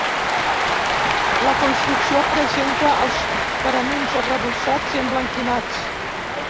La construcció presenta els paraments arrebossats i emblanquinats.